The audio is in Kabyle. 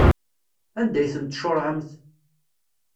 Anda ay ten-tcuṛɛemt?